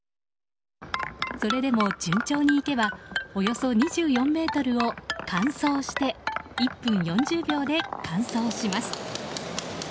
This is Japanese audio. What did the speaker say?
それでも、順調にいけばおよそ２４ｍを完走して１分４０秒で完奏します。